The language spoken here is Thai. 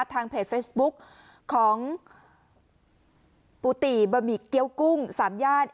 ทางเพจเฟซบุ๊กของปุติบะหมี่เกี้ยวกุ้งสามย่าน